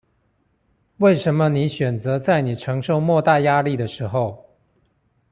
為什麼你選擇在你承受莫大壓力的時候